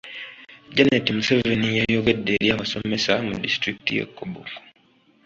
Janet Museveni yayogedde eri abasomesa mu disitulikiti y'e Koboko.